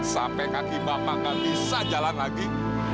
sampai kaki bapak nggak bisa jalan lagi